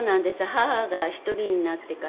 母が１人になってから。